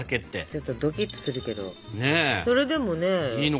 ちょっとドキっとするけどそれでもねできちゃうし。